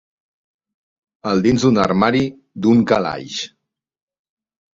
El dins d'un armari, d'un calaix.